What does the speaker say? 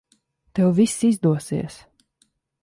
Tev viss izdosies.